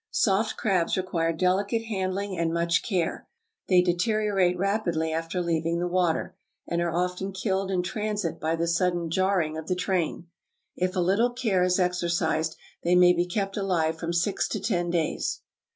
= Soft crabs require delicate handling and much care. They deteriorate rapidly after leaving the water, and are often killed in transit by the sudden jarring of the train. If a little care is exercised, they may be kept alive from six to ten days.